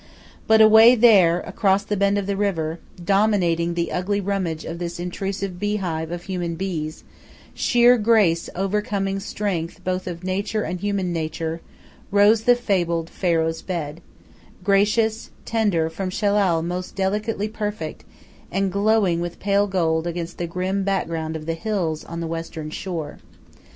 But away there across the bend of the river, dominating the ugly rummage of this intrusive beehive of human bees, sheer grace overcoming strength both of nature and human nature, rose the fabled "Pharaoh's Bed"; gracious, tender, from Shellal most delicately perfect, and glowing with pale gold against the grim background of the hills on the western shore.